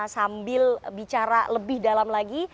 sambil bicara lebih dalam lagi